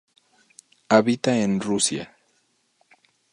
Habita en Rusia.